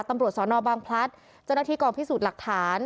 ตำรวจสอนอบางพลัสจนทีกรพิสูจน์หลักฐาน